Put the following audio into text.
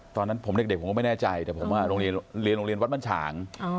ตอนนั้นผมเด็กผมก็ไม่แน่ใจแต่ผมโรงเรียนวัดบ้านฉาง